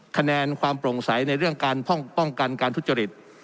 คะแนนความโปร่งใสในเรื่องการป้องกันการทุจริต